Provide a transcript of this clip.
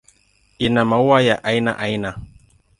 Ina maua ya aina aina.